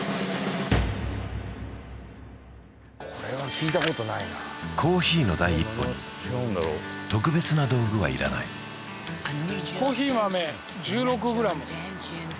これは聞いたことないなコーヒーの第一歩に特別な道具はいらないコーヒー豆１６ｇ